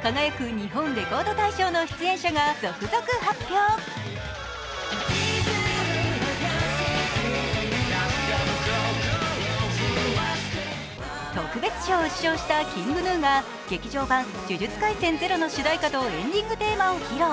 日本レコード大賞」の出演者が続々発表特別賞を受賞したＫｉｎｇＧｎｕが「劇場版呪術廻戦０」の主題歌とエンディングテーマを披露。